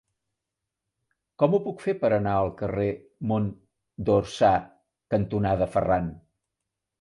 Com ho puc fer per anar al carrer Mont d'Orsà cantonada Ferran?